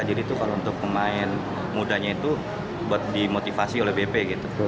jadi itu kalau untuk pemain mudanya itu buat dimotivasi oleh bp gitu